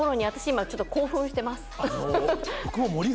今ちょっと興奮してます。